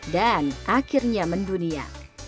dan akhirnya mendunia